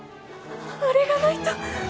あれがないと。